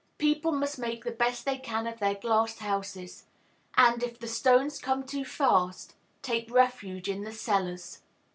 People must make the best they can of their glass houses; and, if the stones come too fast, take refuge in the cellars.